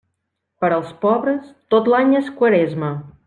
Per als pobres, tot l'any és Quaresma.